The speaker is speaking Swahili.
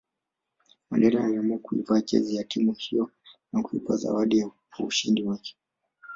Mandela aliiamua kuivaa jezi ya timu hiyo na kuipa zawadi kwa ushindi wake